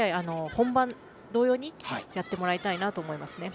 本番同様にやってもらいたいと思いますね。